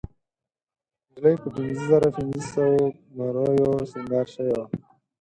نجلۍ په پينځهزرهپینځهسوو مریو سینګار شوې وه.